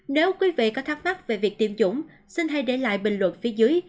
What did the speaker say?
nếu quý vị có thắc mắc về việc tiêm dũng xin hãy để lại bình luận phía dưới